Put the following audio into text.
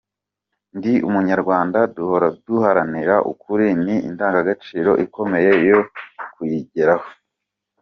Ndi Umunyarwanda duhora duharanira, ukuri ni indangagaciro ikomeye yo kuyigeraho.